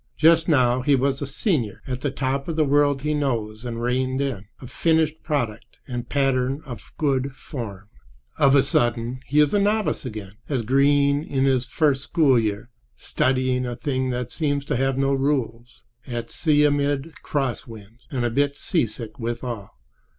Just now he was a senior, at the top of the world he knows and reigned in, a finished product and pattern of good form. Of a sudden he is a novice again, as green as in his first school year, studying a thing that seems to have no rules—at sea amid crosswinds, and a bit seasick withal.